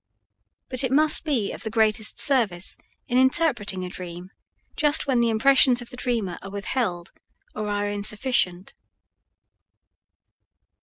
But it must be of the greatest service in interpreting a dream just when the impressions of the dreamer are withheld or are insufficient.